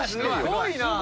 すごいな！